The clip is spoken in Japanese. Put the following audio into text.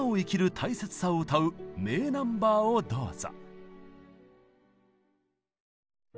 大切さを歌う名ナンバーをどうぞ！